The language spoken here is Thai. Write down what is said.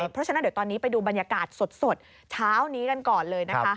เพราะฉะนั้นเดี๋ยวตอนนี้ไปดูบรรยากาศสดเช้านี้กันก่อนเลยนะคะ